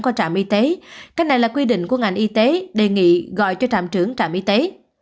qua trạm y tế cách này là quy định của ngành y tế đề nghị gọi cho trạm trưởng trạm y tế